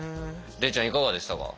礼ちゃんいかがでしたか？